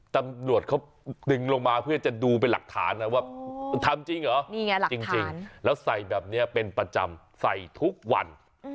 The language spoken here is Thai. ตำรวจเขาดึงลงมาเพื่อจะดูเป็นหลักฐานนะว่าทำจริงเหรอนี่ไงหลักจริงแล้วใส่แบบนี้เป็นประจำใส่ทุกวัน